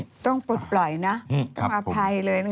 ต้องปลดปล่อยนะต้องอภัยเลย